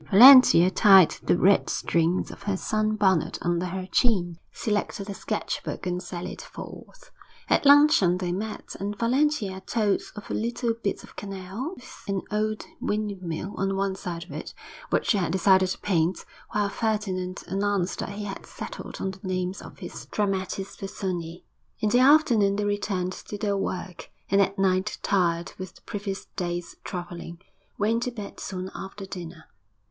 Valentia tied the red strings of her sun bonnet under her chin, selected a sketchbook, and sallied forth. At luncheon they met, and Valentia told of a little bit of canal, with an old windmill on one side of it, which she had decided to paint, while Ferdinand announced that he had settled on the names of his dramatis personæ. In the afternoon they returned to their work, and at night, tired with the previous day's travelling, went to bed soon after dinner.